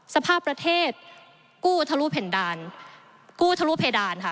สภาพประเทศกู้ทะลุเพดานค่ะ